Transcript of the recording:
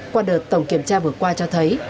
qua đợt tổng kiểm tra vừa qua cho thấy